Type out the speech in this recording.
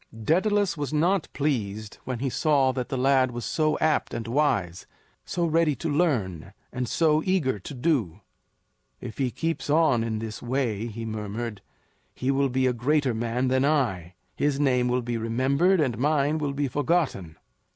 Daedalus was not pleased when he saw that the lad was so apt and wise, so ready to learn, and so eager to do. "If he keeps on in this way," he murmured, "he will be a greater man than I; his name will be remembered, and mine will be forgotten."